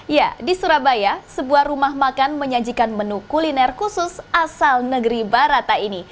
ya di surabaya sebuah rumah makan menyajikan menu kuliner khusus asal negeri barata ini